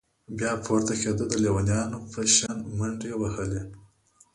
بيا پورته كېده د ليونيانو په شان منډې وهلې.